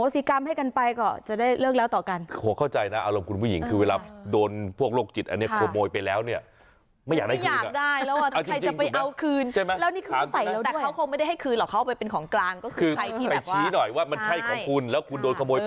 สิกรรมให้กันไปก็จะได้เรื่องเล่าต่อกัน